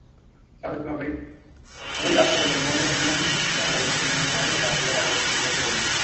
স্বাভাবিকভাবেই আমেরিকা আশা করেছিল, বন্ধুপ্রতিম বাংলাদেশ ক্রিমিয়ায় রাশিয়ার আগ্রাসনের বিপক্ষে ভোট দেবে।